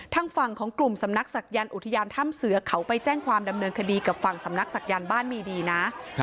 ทางฝั่งของกลุ่มสำนักศักยันต์อุทยานถ้ำเสือเขาไปแจ้งความดำเนินคดีกับฝั่งสำนักศักยันต์บ้านมีดีนะ